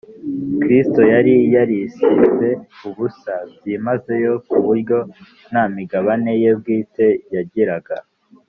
Kristo yari yarisize ubusa byimazeyo kuburyo nta migambi Ye bwite yagiraga.